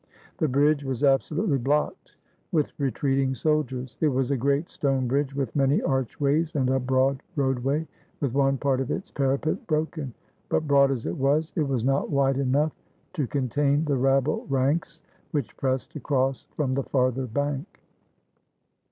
The bridge was absolutely blocked with retreating sol diers. It was a great stone bridge, with many archways and a broad roadway, with one part of its parapet broken; but, broad as it was, it was not wide enough to contain the rabble ranks which pressed across from the farther bank.